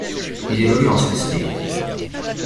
Il évolue en Swiss League.